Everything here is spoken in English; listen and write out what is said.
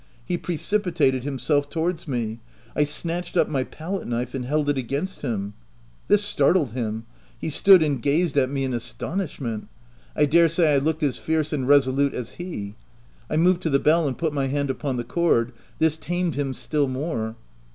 He precipitated himself towards me. I snatched up my palette knife and held it against him. This startled him : he stood and gazed at me OF WILDFELL HALL. 45 in astonishment ; I dare say I looked as fierce and resolute as he. I moved to the bell and put my hand upon the cord. This tamed him still more.